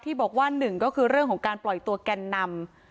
ที่บอกว่า๑ก็คือเรื่องของการปล่อยตัวกันมาแล้ว